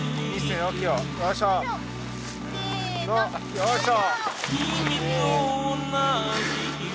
よいしょ！